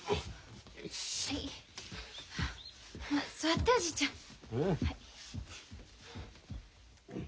座っておじいちゃん。